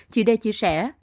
chị đê chia sẻ